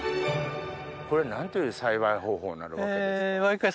これ何という栽培方法になるわけですか？